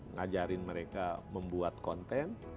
ngajarin mereka membuat konten